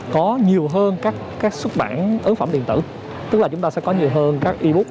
có nhiều hơn các xuất bản ấn phẩm điện tử tức là chúng ta sẽ có nhiều hơn các e book